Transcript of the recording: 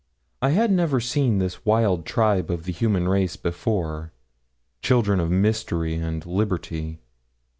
I had never seen this wild tribe of the human race before children of mystery and liberty.